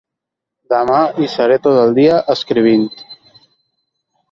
Demà hi seré tot el dia, escrivint.